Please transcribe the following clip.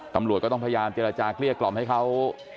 ตำรวจก็ต้องพยายามเจรจาเกลี้ยกล่อมให้เขา